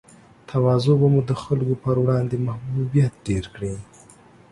تواضع به مو د خلګو پر وړاندې محبوبیت ډېر کړي